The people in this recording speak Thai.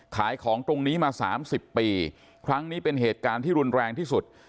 ขายของตรงนี้มาสามสิบปีครั้งนี้เป็นเหตุการณ์ที่รุนแรงที่สุด